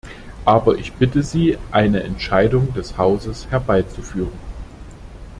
Aber ich bitte Sie eine Entscheidung des Hauses herbeizuführen.